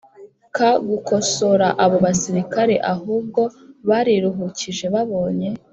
Ka gukosora abo basirikare ahubwo bariruhukije babonye